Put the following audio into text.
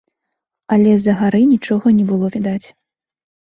Але з-за гары нічога не было відаць.